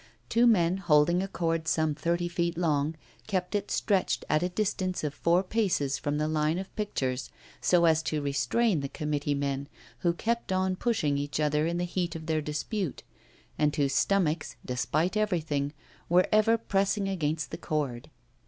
Two men, holding a cord some thirty feet long, kept it stretched at a distance of four paces from the line of pictures, so as to restrain the committee men, who kept on pushing each other in the heat of their dispute, and whose stomachs, despite everything, were ever pressing against the cord.